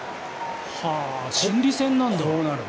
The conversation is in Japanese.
心理戦なんだ。